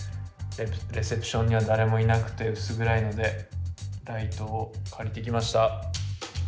レセプションには誰もいなくて薄暗いのでライトを借りてきました。